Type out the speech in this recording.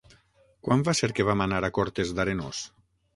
Quan va ser que vam anar a Cortes d'Arenós?